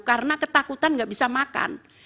karena ketakutan enggak bisa makan